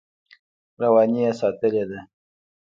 رواني یې ساتلې ده.